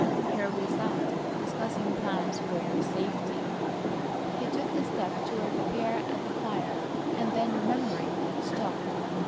"Here we sat discussing plans for your safety." He took a step toward the pair at the fire, and then remembering, stopped.